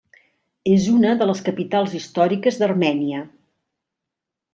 És una de les capitals històriques d'Armènia.